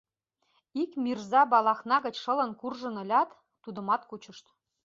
Ик мирза Балахна гыч шылын куржын ылят, тудымат кучышт.